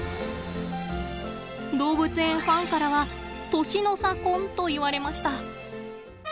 動物園ファンからは年の差婚といわれました。